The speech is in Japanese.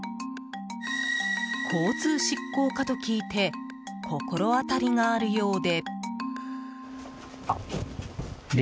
交通執行課と聞いて心当たりがあるようで。